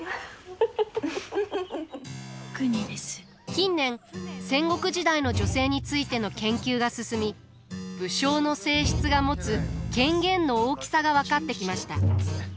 近年戦国時代の女性についての研究が進み武将の正室が持つ権限の大きさが分かってきました。